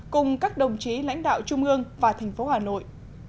cùng các đồng chí lãnh đạo trung ương và thành phố hà nội